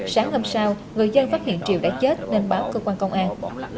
sáng hôm sau người dân phát hiện triều đã chết nên báo cơ quan công an